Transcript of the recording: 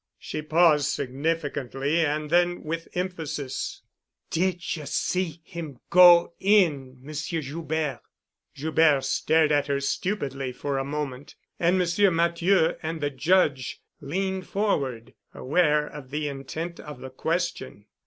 She paused significantly, and then, with emphasis, "Did you see him go in, Monsieur Joubert?" Joubert stared at her stupidly for a moment, and Monsieur Matthieu and the Judge leaned forward, aware of the intent of the question.